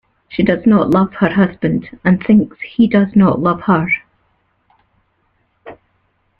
She does not love her husband and thinks he does not love her.